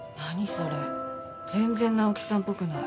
それ全然直樹さんっぽくない。